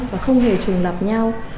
và không hề trùng lập nhau